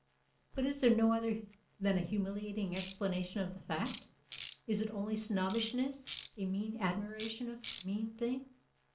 But is there no other than a humiliating explanation of the fact? Is it only snobbishness, a mean admiration of mean things?